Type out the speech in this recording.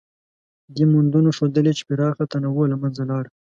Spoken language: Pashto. دې موندنو ښودلې، چې پراخه تنوع له منځه لاړه.